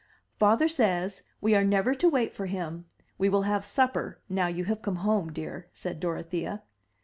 "Father says we are never to wait for him; we will have supper, now you have come home, dear," said Dorothea.